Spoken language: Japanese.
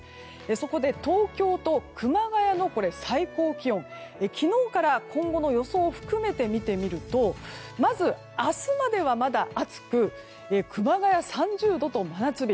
そこで東京と熊谷の最高気温昨日から今後の予想を含めてみてみるとまず明日まではまだ暑く熊谷３０度と真夏日。